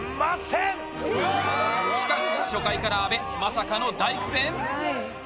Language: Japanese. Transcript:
しかし、初回から阿部まさかの大苦戦？